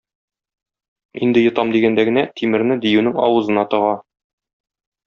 Инде йотам дигәндә генә, тимерне диюнең авызына тыга.